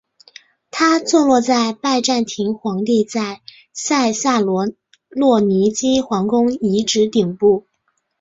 它坐落在拜占庭皇帝在塞萨洛尼基皇宫遗址顶部。